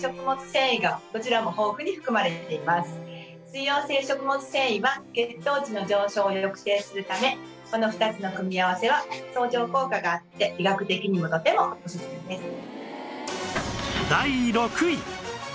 繊維は血糖値の上昇を抑制するためこの２つの組み合わせは相乗効果があって医学的にもとてもオススメです。